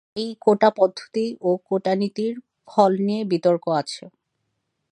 এই কোটা পদ্ধতি ও কোটা নীতির ফল নিয়ে বিতর্ক আছে।